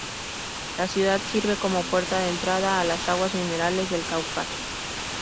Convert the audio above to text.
La ciudad sirve como puerta de entrada a las aguas minerales del Cáucaso.